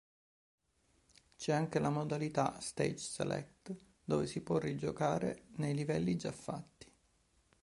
C'è anche la modalità "Stage Select" dove si può rigiocare nei livelli già fatti.